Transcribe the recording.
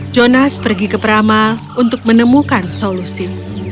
jonas pergi ke pramal untuk menemukan solusi